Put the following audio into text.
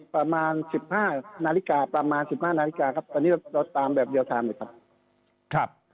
ประมาณ๑๕นาฬิกาประมาณ๑๕นาฬิกาครับตอนนี้เราตามแบบเรียลไทม์เลยครับ